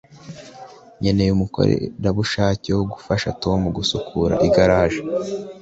nkeneye umukorerabushake wo gufasha tom gusukura igaraje.